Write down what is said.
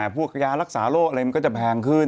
พวกยารักษาโรคอะไรมันก็จะแพงขึ้น